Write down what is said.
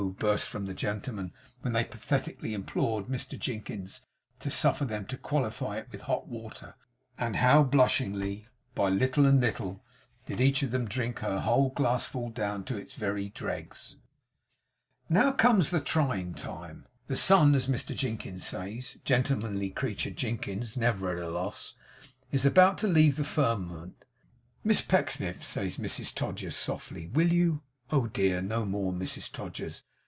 burst from the gentlemen when they pathetically implored Mr Jinkins to suffer them to qualify it with hot water; and how blushingly, by little and little, did each of them drink her whole glassful, down to its very dregs! Now comes the trying time. The sun, as Mr Jinkins says (gentlemanly creature, Jinkins never at a loss!), is about to leave the firmament. 'Miss Pecksniff!' says Mrs Todgers, softly, 'will you ?' 'Oh dear, no more, Mrs Todgers.